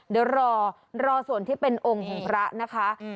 เดี๋ยวรอรอส่วนที่เป็นองค์ของพระนะคะ